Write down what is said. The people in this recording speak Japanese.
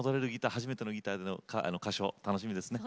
初めてのギターでの歌唱楽しみです。